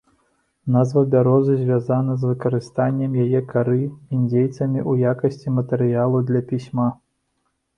Назва бярозы звязана з выкарыстаннем яе кары індзейцамі ў якасці матэрыялу для пісьма.